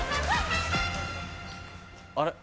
あれ？